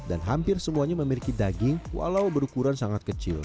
dan hampir semuanya memiliki daging walau berukuran sangat kecil